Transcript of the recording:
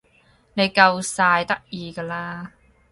你夠晒得意㗎啦